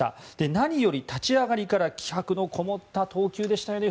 何より立ち上がりから気迫のこもった投球でしたね。